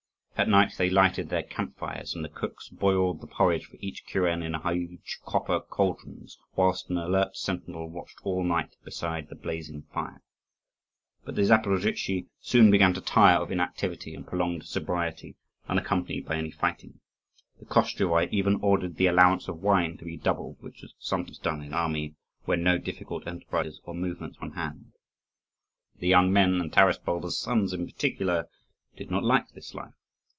At night they lighted their camp fires, and the cooks boiled the porridge for each kuren in huge copper cauldrons; whilst an alert sentinel watched all night beside the blazing fire. But the Zaporozhtzi soon began to tire of inactivity and prolonged sobriety, unaccompanied by any fighting. The Koschevoi even ordered the allowance of wine to be doubled, which was sometimes done in the army when no difficult enterprises or movements were on hand. The young men, and Taras Bulba's sons in particular, did not like this life.